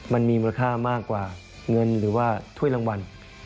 มันมีมูลค่ามากกว่าเงินหรือว่าถ้วยรางวัล